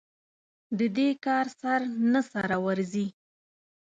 د دې کار سر نه سره ورځي.